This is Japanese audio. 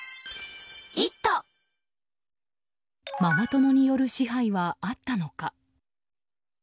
ママ友による支配はあったのか。